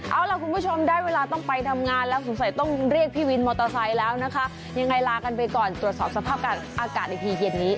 เอาล่ะคุณผู้ชมได้เวลาต้องไปทำงานแล้วสงสัยต้องเรียกพี่วินมอเตอร์ไซค์แล้วนะคะยังไงลากันไปก่อนตรวจสอบสภาพอากาศอีกทีเย็นนี้